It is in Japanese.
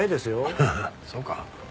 ハハそうか？